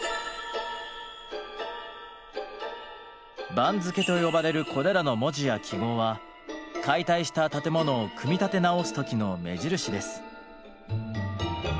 「番付」と呼ばれるこれらの文字や記号は解体した建物を組み立て直す時の目印です。